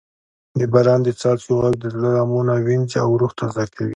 د باران د څاڅکو غږ د زړه غمونه وینځي او روح تازه کوي.